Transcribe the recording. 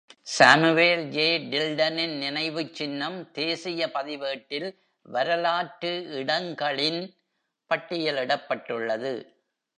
Samuel J. டில்டனின் நினைவுச்சின்னம் தேசிய பதிவேட்டில் வரலாற்று இடங்களின் பட்டியலிடப்பட்டுள்ளது.